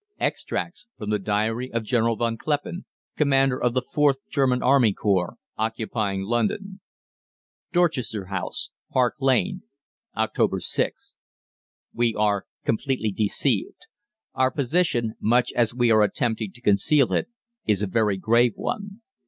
Extracts from the diary of General Von Kleppen, Commander of the IVth German Army Corps, occupying London: "DORCHESTER HOUSE, PARK LANE, Oct. 6. "We are completely deceived. Our position, much as we are attempting to conceal it, is a very grave one.